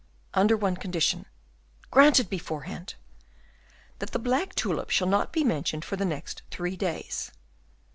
"Under one condition." "Granted beforehand!" "That the black tulip shall not be mentioned for the next three days."